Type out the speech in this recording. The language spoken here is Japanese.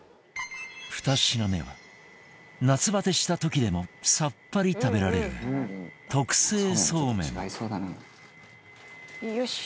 ２品目は夏バテした時でもさっぱり食べられる特製そうめんよし！